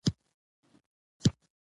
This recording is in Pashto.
پر انارګل به زلمي چاپېروي